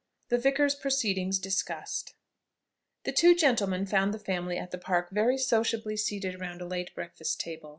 THE VICAR'S PROCEEDINGS DISCUSSED. The two gentlemen found the family at the Park very sociably seated round a late breakfast table.